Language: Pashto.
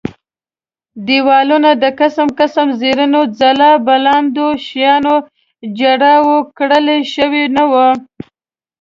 دېوالونه د قسم قسم زرینو ځل بلاندو شیانو جړاو کړل شوي نه وو.